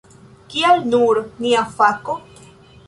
Kial nur nia fako?